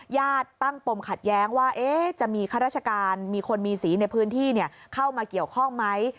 ญาติตั้งปมขัดแย้งว่าจะมีข้าราชการมีคนมีสีในพื้นที่เข้ามาเกี่ยวข้องไหม